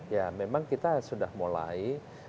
ya memang kita sudah mulai